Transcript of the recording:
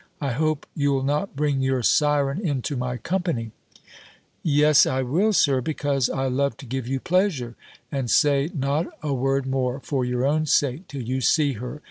I hope you'll not bring your syren into my company." "Yes, I will, Sir, because I love to give you pleasure. And say not a word more, for your own sake, till you see her.